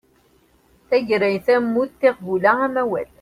Tagrayt, ammud, tiɣbula, amawal